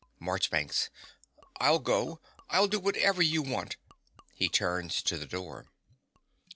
MARCHBANKS. I'll go. I'll do whatever you want. (He turns to the door.)